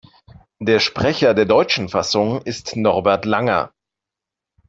Der Sprecher der deutschen Fassung ist Norbert Langer.